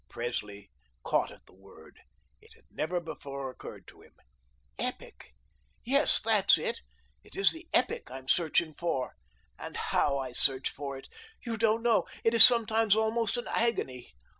Presley caught at the word. It had never before occurred to him. "Epic, yes, that's it. It is the epic I'm searching for. And HOW I search for it. You don't know. It is sometimes almost an agony.